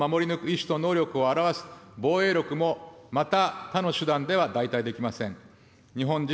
同時に日本を守り抜く意思と能力を表す防衛力も、また他の手段では代替できません。